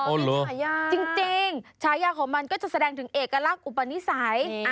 ฉายาจริงฉายาของมันก็จะแสดงถึงเอกลักษณ์อุปนิสัย